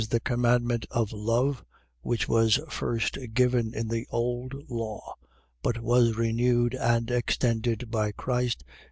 the commandment of love, which was first given in the old law; but was renewed and extended by Christ.